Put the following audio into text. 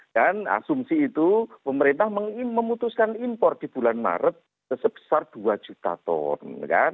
dan asumsi itu pemerintah memutuskan impor di bulan maret sebesar dua juta ton